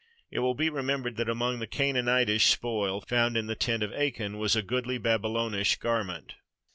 It will be remembered that among the Canaanitish spoil found in the tent of Achan was "a goodly Babylonish garment."